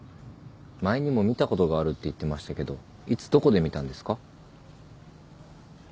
前にも見たことがあるって言ってましたけどいつどこで見たんですか？